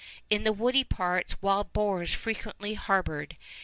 In the woody parts, wild boars frequently harboured.